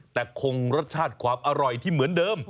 แต่คงรสชาติความอร่อยที่เหมือนเดิม